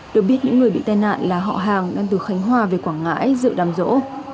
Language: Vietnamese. được biết những người bị tai nạn là họ hàng đang từ khánh hòa về quảng ngãi dự đám rỗ